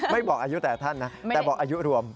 ไม่บอกอายุแต่ท่านนะแต่บอกอายุรวม